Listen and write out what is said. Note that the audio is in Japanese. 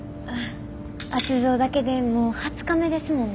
圧造だけでもう２０日目ですもんね。